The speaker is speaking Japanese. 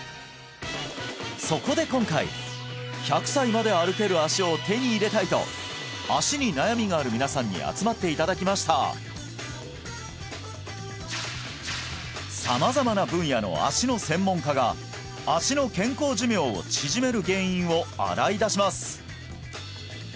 そこで今回１００歳まで歩ける足を手に入れたいと足に悩みがある皆さんに集まっていただきました様々な分野の足の専門家が足の健康寿命を縮める原因を洗い出します